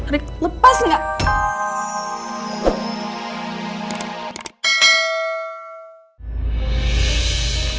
rick lepas gak